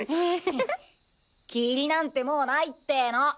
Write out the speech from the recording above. ヘッ霧なんてもうないってぇの。